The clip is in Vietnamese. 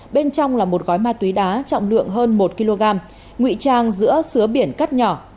bên trong là một gói ma túy đá trọng lượng hơn một kg nguy trang giữa sứa biển cắt nhỏ